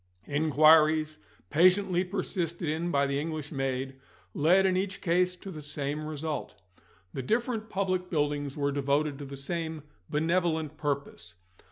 Inquiries, patiently persisted in by the English maid, led in each case to the same result. The different public buildings were devoted to the same benevolent purpose.